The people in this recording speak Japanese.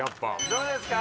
どうですか？